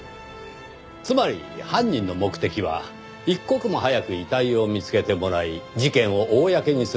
つまり犯人の目的は一刻も早く遺体を見つけてもらい事件を公にする事にあった。